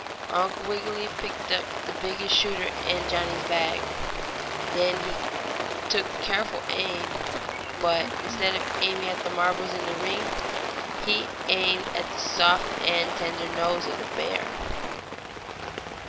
Uncle Wiggily picked out the biggest shooter in Johnnie's bag. Then he took careful aim, but, instead of aiming at the marbles in the ring he aimed at the soft and tender nose of the bear.